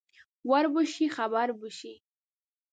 ور به شې خبر به شې